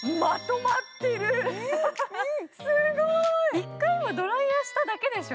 ・１回ドライヤーしただけでしょ